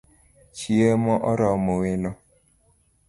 Chiemo oromo welo